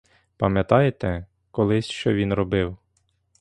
Пам'ятаєте, колись що він робив?